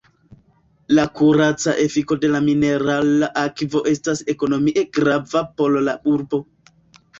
La kuraca efiko de la minerala akvo estas ekonomie grava por la urbo.